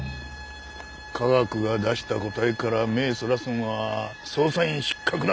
科学が出した答えから目ぇそらすのは捜査員失格だ！